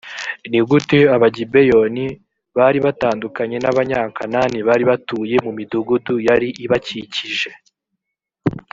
ni gute abagibeyoni bari batandukanye n abanyakanaani bari batuye mu midugudu yari ibakikije